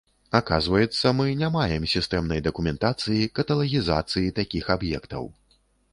Аказваецца, мы не маем сістэмнай дакументацыі, каталагізацыі такіх аб'ектаў.